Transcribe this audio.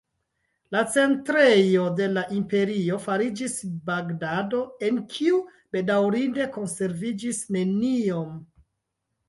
La centrejo de la imperio fariĝis Bagdado, en kiu bedaŭrinde konserviĝis neniom.